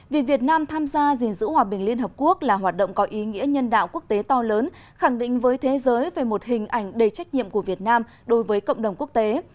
việc việt nam tham gia gìn giữ hòa bình liên hợp quốc là hoạt động có ý nghĩa nhân đạo quốc tế to lớn khẳng định với thế giới về một hình ảnh đầy trách nhiệm của việt nam đối với cộng đồng quốc tế